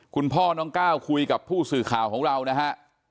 คุณพ่อน้องก้าวคุยกับผู้สื่อข่าวของเรานะฮะ